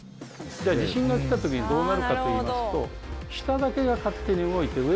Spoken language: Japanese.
では地震が来た時にどうなるかといいますと下だけが勝手に動いて上はじっとしてる。